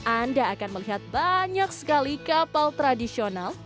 anda akan melihat banyak sekali kapal tradisional